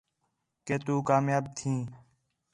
کہ تُو کامیاب تھیں